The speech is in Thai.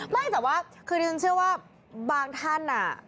ไม่แต่ว่าคือที่ฉันเชื่อว่าบางท่าน